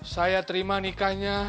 saya terima nikahnya